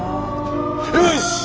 よし！